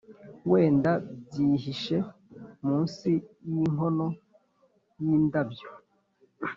wenda byihishe munsi yinkono yindabyo.